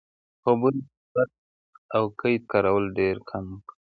په خبرو کې صفت او قید کارول ډېرکم کړئ.